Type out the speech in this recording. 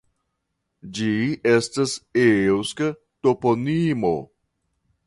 Ĝi estas eŭska toponimo.